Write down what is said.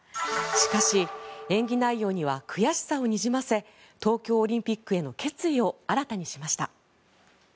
しかし、演技内容には悔しさをにじませ東京オリンピックへの決意を新たにしました。